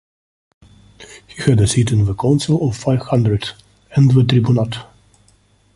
He had a seat in the Council of Five Hundred, and the tribunat.